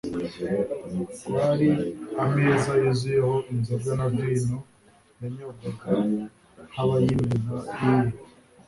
kwari ameza yuzuyeho inzoga na vino yanyobwaga nk'abayimena, i